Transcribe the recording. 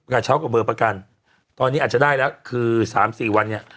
กระเช้ากับเบอร์ประกันตอนนี้อาจจะได้แล้วคือสามสี่วันเนี่ย